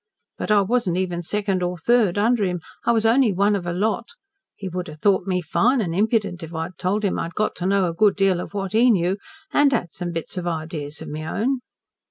But I wasn't even second or third under him I was only one of a lot. He would have thought me fine an' impident if I'd told him I'd got to know a good deal of what he knew and had some bits of ideas of my own."